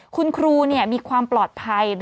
คุณครูมีความปลอดภัย